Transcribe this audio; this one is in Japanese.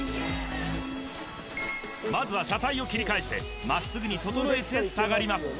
まずは車体を切り返してまっすぐに整えて下がります